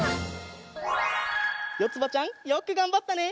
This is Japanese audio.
よつばちゃんよくがんばったね！